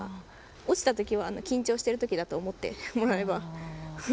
落ちたときは緊張してるときだと思ってもらえば。